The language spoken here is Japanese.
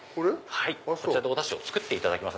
こちらでおダシを作っていただきます。